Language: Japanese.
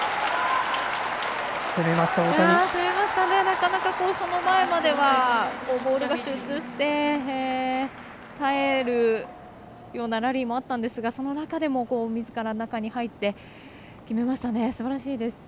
なかなか、その前まではボールが集中して、耐えるようなラリーもあったんですがその中でもみずから中に入って決めましたね、すばらしいです。